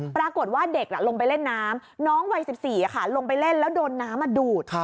ปรากฏว่าเด็กลงไปเล่นน้ำน้องวัย๑๔ลงไปเล่นแล้วโดนน้ำดูด